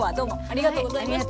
ありがとうございます。